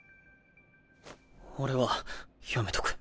俺はやめとく。